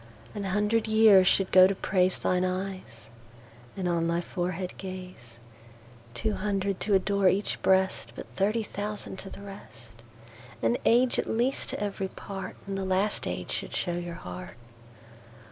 An hundred years should go to praiseThine Eyes, and on thy Forehead Gaze.Two hundred to adore each Breast:But thirty thousand to the rest. An Age at least to every part, And the last Age should show your Heart.